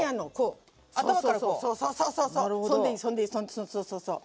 そうそうそうそう。